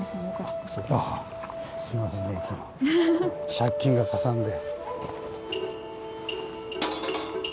借金がかさんで。